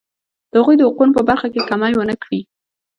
د هغوی د حقونو په برخه کې کمی ونه کړي.